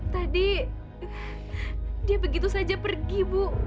tadi dia begitu saja pergi bu